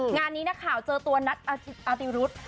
งานนี้นะครับเจอตัวนัทอาติรุษ